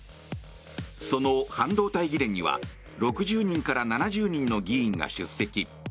その半導体議連には６０人から７０人の議員が出席。